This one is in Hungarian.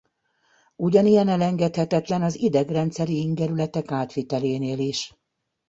Ugyanilyen elengedhetetlen az idegrendszeri ingerületek átvitelénél is.